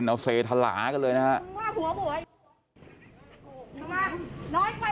เล่นเอาเซธารากันเลยนะครับ